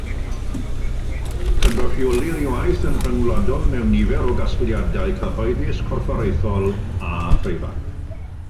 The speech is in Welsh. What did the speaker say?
Cynrychiolir ei waith yn rhyngwladol mewn nifer o gasgliadau cyhoeddus, corfforaethol a phreifat.